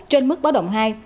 trên mức báo động hai